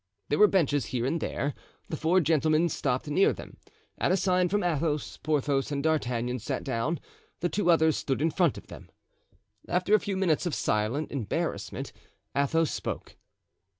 There were benches here and there; the four gentlemen stopped near them; at a sign from Athos, Porthos and D'Artagnan sat down, the two others stood in front of them. After a few minutes of silent embarrassment, Athos spoke.